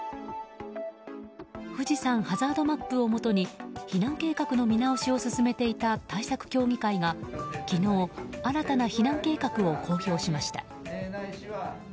富士山ハザードマップをもとに避難計画の見直しを進めていた対策協議会が昨日、新たな避難計画を公表しました。